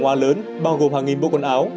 trong thời gian vừa qua